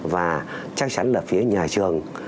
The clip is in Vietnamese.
và chắc chắn là phía nhà trường